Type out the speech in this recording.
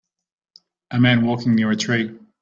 A man walking near a tree.